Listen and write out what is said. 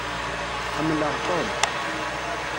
Ḥemmleɣ Tom.